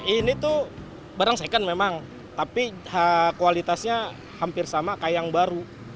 ini tuh barang second memang tapi kualitasnya hampir sama kayak yang baru